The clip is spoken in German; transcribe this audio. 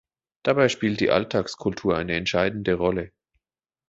Dabei spielt die Alltagskultur eine entscheidende Rolle.